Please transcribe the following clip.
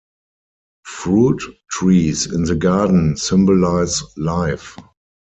Fruit trees in the garden symbolize life.